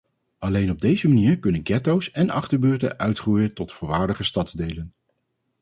Alleen op deze manier kunnen getto's en achterbuurten uitgroeien tot volwaardige stadsdelen.